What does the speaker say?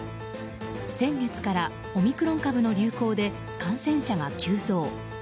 先月から、オミクロン株の流行で感染者が急増。